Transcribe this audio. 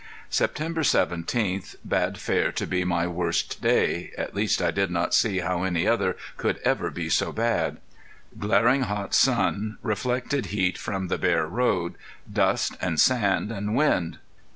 September seventeenth bade fair to be my worst day at least I did not see how any other could ever be so bad. Glaring hot sun reflected heat from I the bare road dust and sand and wind!